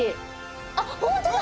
あっ本当だ！